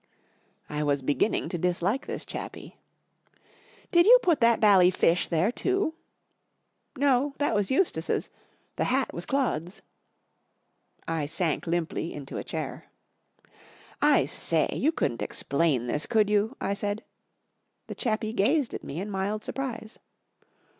I was beginning to dislike this chappie. ■# Did you put that bally fish there, too ?"" No, that was Eustace's. The hat was Claude's." I sank limply into a chair. " I say, you couldn't explain this, could you ?" I said. The chappie gazed at me in mild surprise.